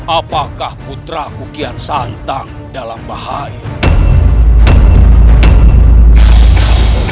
apakah putra kukian santang dalam bahaya